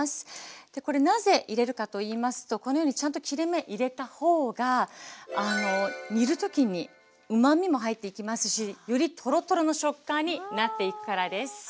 これなぜ入れるかといいますとこのようにちゃんと切れ目入れたほうが煮る時にうまみも入っていきますしよりトロトロの食感になっていくからです。